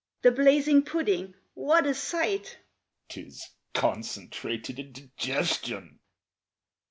) The blazing pudding what a sight! ('Tis concentrated indigestion!